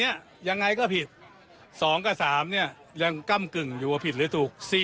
ยังไงก็ผิด๒กับ๓เนี่ยยังก้ำกึ่งอยู่ว่าผิดหรือถูก